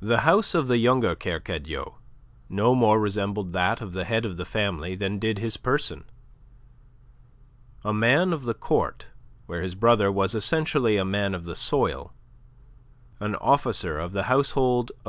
The house of the younger Kercadiou no more resembled that of the head of the family than did his person. A man of the Court, where his brother was essentially a man of the soil, an officer of the household of M.